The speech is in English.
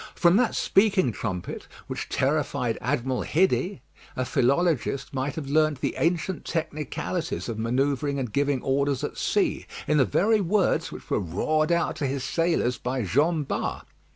From that speaking trumpet which terrified Admiral Hidde, a philologist might have learnt the ancient technicalities of manoeuvring and giving orders at sea, in the very words which were roared out to his sailors by Jean Bart.